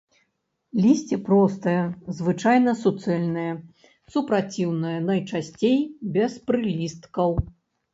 Лісце простае, звычайна суцэльнае, супраціўнае, найчасцей без прылісткаў.